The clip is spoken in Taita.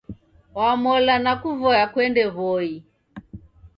Wamola nakuvoya kuende W'oi